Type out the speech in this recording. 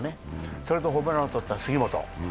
それとホームランを打った杉本。